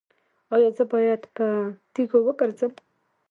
ایا زه باید په تیږو وګرځم؟